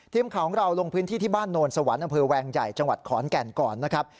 ทีมข่าวของเราลงพื้นที่ที่บ้านโนนสวรรค์อำเภอแวงใหญ่จังหวัดขอนแก่นก่อนนะครับ